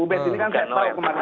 ubed ini kan saya tahu ya kemarin